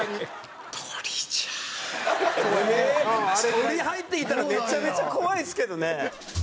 鳥入ってきたらめちゃめちゃ怖いですけどね。